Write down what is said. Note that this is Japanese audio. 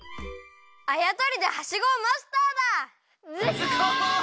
あやとりではしごをマスターだ！ズコ！